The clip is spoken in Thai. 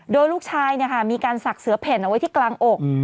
โดยลูกชายมีการศักดิ์เสือเพ่นเอาไว้ที่กลางอก